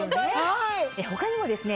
他にもですね